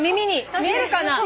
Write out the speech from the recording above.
見えるかな？